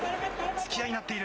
突き合いになっている。